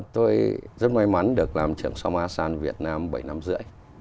tôi rất may mắn được làm trưởng xóm asean việt nam bảy năm rưỡi